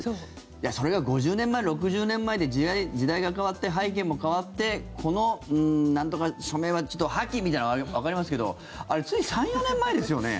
それが５０年前、６０年前で時代が変わって、背景も変わってこの「なんとか署名」は破棄みたいなのはわかりますけどあれ、つい３４年前ですよね。